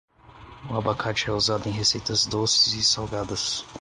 O abacate é usado em receitas doces e salgadas.